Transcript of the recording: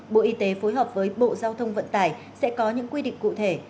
bộ y tế phối hợp với bộ giao thông vận tải sẽ có những quy định cụ thể